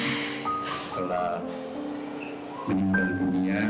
setelah menimbul dunia